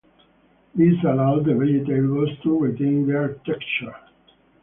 This allows the vegetables to retain their texture.